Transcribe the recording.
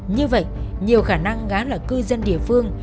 như vậy nhiều khả năng gán lại cư dân địa phương